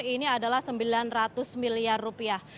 ini adalah sembilan ratus miliar rupiah